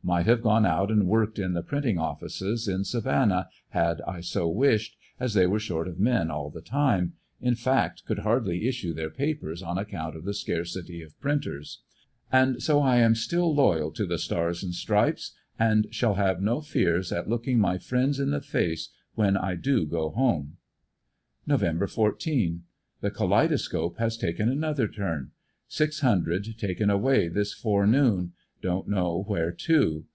Might have gone out and worked in the printing offices in Savannah had I so wished, as they were short of men all the time, in fact could hardly issue their papers on account of the scarcity of printers. And so I am still loyal to the Stars and Stripes and shall have no fears at looking my friends in the face when I do go home. Nov. 14 — The kaleidoscope has taken another turn. Six hun dred taken away this forenoon; don't know where to.